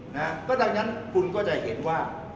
นะฮะก็ดังนั้นคุณก็จะเห็นว่า